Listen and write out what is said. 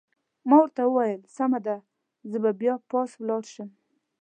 ما ورته وویل: سمه ده، زه به بیا پاس ولاړ شم.